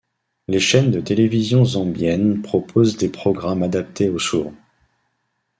Les chaines de télévision zambiennes proposent des programmes adaptés aux sourds.